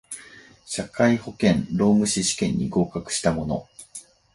社会保険労務士試験に合格した者